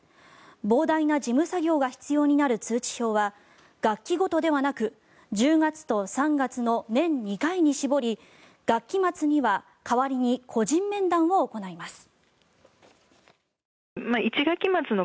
膨大な事務作業が必要になる通知表は学期ごとではなく１０月と３月の年２回に絞り学期末には代わりに個人面談を行います。